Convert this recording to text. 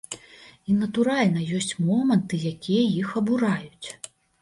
І, натуральна, ёсць моманты, якія іх абураюць.